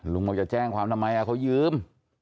บอกจะแจ้งความทำไมเขายืม